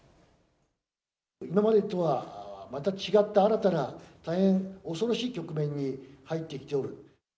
今までとはまた違った、新たな大変恐ろしい局面に入ってきておる。